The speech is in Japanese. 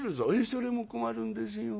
「それも困るんですよ。